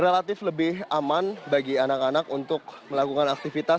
relatif lebih aman bagi anak anak untuk melakukan aktivitas